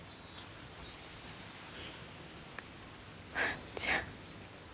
万ちゃん。